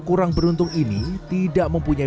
kurang beruntung ini tidak mempunyai